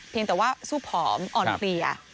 เพียงแต่ว่าสู้ผอมออนเคลียร์